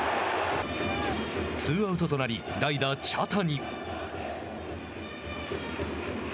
ツーアウトとなり代打茶谷。